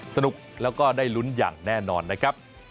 สนุกแล้วก็ได้ลุ้นอย่างแน่นอนนะครับ